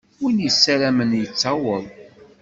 Win yessaramen yettaweḍ.